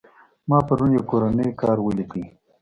ما پرون يو کورنى کار وليکى.